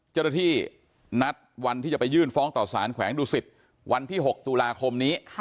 จรฐีนัทวันที่จะไปยื่นฟ้องต่อสารแขวงดูศิษย์วันที่๖ตุลาคม